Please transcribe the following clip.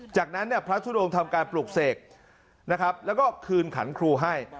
จากนั้นพระทุดงทำการปลูกเสกนะครับแล้วก็คืนขันครูให้